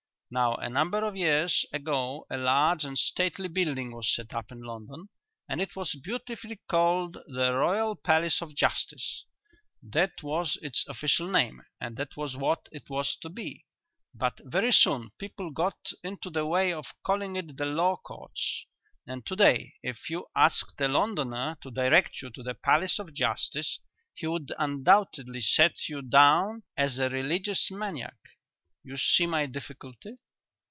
Now a number of years ago a large and stately building was set up in London and it was beautifully called 'The Royal Palace of Justice.' That was its official name and that was what it was to be; but very soon people got into the way of calling it the Law Courts, and to day, if you asked a Londoner to direct you to the Palace of Justice he would undoubtedly set you down as a religious maniac. You see my difficulty?"